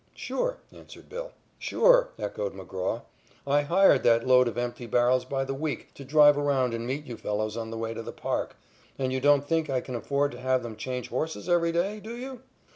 "Sure," answered "Bill." "Sure," echoed McGraw. "I hired that load of empty barrels by the week to drive around and meet you fellows on the way to the park, and you don't think I can afford to have them change horses every day, do you?"